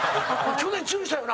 去年、注意したよな！